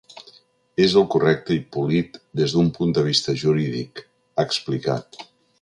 És el correcte i polit des d’un punt de vista jurídic, ha explicat.